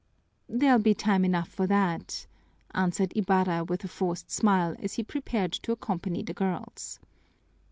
"There'll be time enough for that," answered Ibarra with a forced smile, as he prepared to accompany the girls.